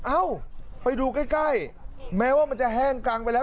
เอ้าไปดูใกล้แม้ว่ามันจะแห้งกรังไปแล้ว